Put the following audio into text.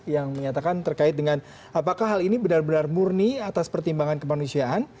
yang menyatakan terkait dengan apakah hal ini benar benar murni atas pertimbangan kemanusiaan